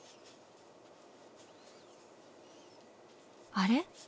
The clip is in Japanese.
あれ？